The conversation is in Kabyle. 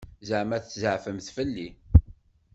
Ẓeɛma tzeɛfemt fell-i?